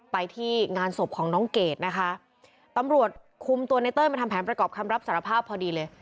ไปที่งานศพของน้องเกดนะคะตำรวจคุมตัวในเต้ยมาทำแผนประกอบคำรับสารภาพพอดีเลย